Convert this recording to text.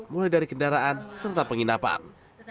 mulai dari kendaraan serta penginapan